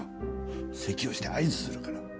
せきをして合図するから。